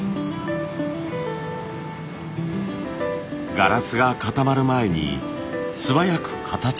ガラスが固まる前に素早く形にする。